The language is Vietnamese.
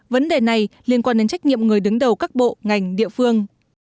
vấn đề này liên quan đến trách nhiệm người đứng đầu các bộ ngành địa phương